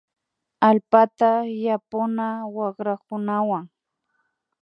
Allpata yapuna wakrakunawan